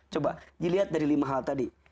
coba dilihat dari lima hal tadi